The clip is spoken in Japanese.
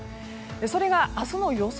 それが明日の予想